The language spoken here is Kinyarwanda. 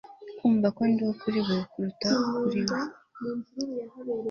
Kumva ko ndiho kuri we kuruta kuri we